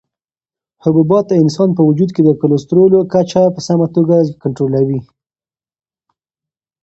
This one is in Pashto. حبوبات د انسان په وجود کې د کلسترولو کچه په سمه توګه کنټرولوي.